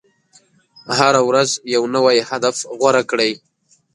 هره ورځ یو نوی هدف غوره کړئ.